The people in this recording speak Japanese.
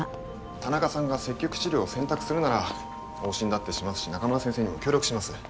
田中さんが積極治療を選択するなら往診だってしますし中村先生にも協力します。